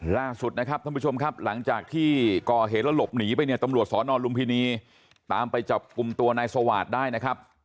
ล่าสุดนะครับท่านผู้ชมครับหลังจากที่ก่อเหตุแล้วหลบหนีไปเนี่ยตำรวจสอนอนลุมพินีตามไปจับกลุ่มตัวนายสวาสตร์ได้นะครับ